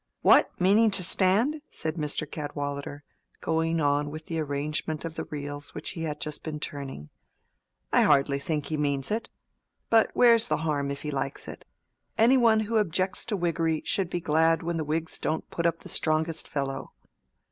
"What? meaning to stand?" said Mr. Cadwallader, going on with the arrangement of the reels which he had just been turning. "I hardly think he means it. But where's the harm, if he likes it? Any one who objects to Whiggery should be glad when the Whigs don't put up the strongest fellow.